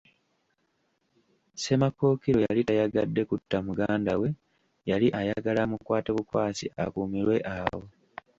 Ssemakookiro yali tayagadde kutta muganda we, yali ayagala amukwate bukwasi akuumirwe awo.